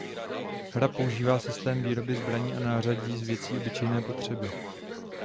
Hra používá systém výroby zbraní a nářadí z věcí obyčejné potřeby.